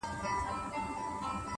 هره هیله د عمل اړتیا لري,